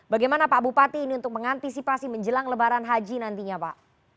bagaimana pak bupati ini untuk mengantisipasi menjelang lebaran haji nantinya pak